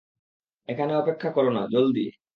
এখানে অপেক্ষা করো না, জলদি।